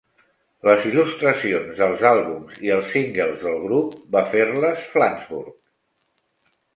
Les il·lustracions dels àlbums i els singles del grup va fer-les Flansburgh.